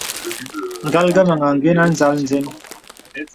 Ngal ngəməŋ àngənə́ à nzāl nzə́n.